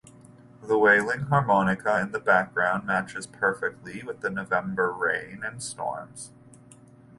The wailing harmonica in the background matches perfectly with the November rain and storms.